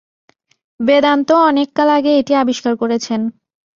বেদান্ত অনেককাল আগে এটি আবিষ্কার করেছেন।